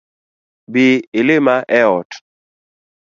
Bi ilima e ot